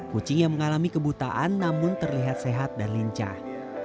kucing yang mengalami kebutaan namun terlihat sehat dan lincah